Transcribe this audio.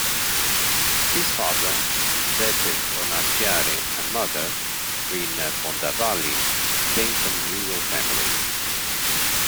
His father, Giuseppe Fornaciari, and mother, Rina Bondavalli, came from rural families.